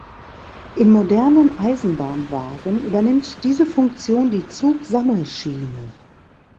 In modernen Eisenbahnwagen übernimmt diese Funktion die Zugsammelschiene.